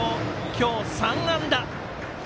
今日３安打。